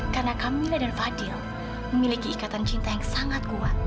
karena kamilah dan fadil memiliki ikatan cinta yang sangat kuat